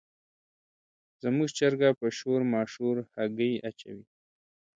زموږ چرګه په شور ماشور هګۍ اچوي.